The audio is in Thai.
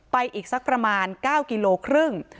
อีกสักประมาณ๙กิโลครึ่ง